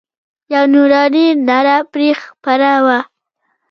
یوه نوراني رڼا پرې خپره وه.